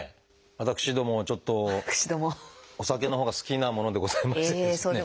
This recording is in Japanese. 私どもちょっとお酒のほうが好きなものでございましてですね。